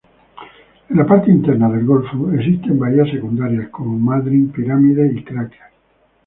En la parte interna del golfo existen bahías secundarias, como Madryn, Pirámide y Cracker.